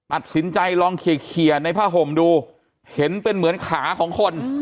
ตัดสินใจลองเคลียร์ในผ้าห่มดูเห็นเป็นเหมือนขาของคน